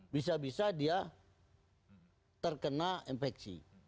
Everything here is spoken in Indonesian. bisa bisa dia terkena infeksi